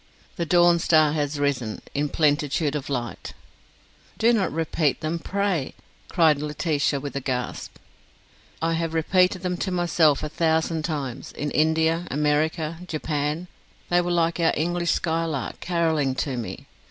'The dawn star has arisen In plenitude of light ...'" "Do not repeat them, pray!" cried Laetitia, with a gasp. "I have repeated them to myself a thousand times: in India, America, Japan: they were like our English skylark, carolling to me.